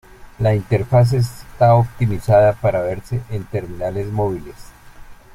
La interfaz está optimizada para verse en terminales móviles.